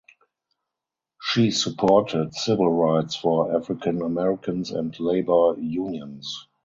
She supported civil rights for African Americans and labor unions.